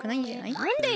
なんでよ？